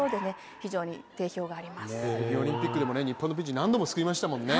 北京オリンピックでも日本のピンチを何度も救いましたもんね。